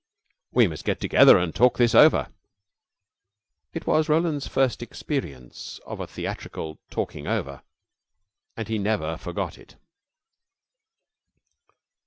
"We must get together and talk this over." It was Roland's first experience of a theatrical talking over, and he never forgot it.